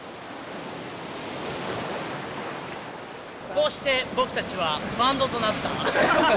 こうして僕たちはバンドとなった。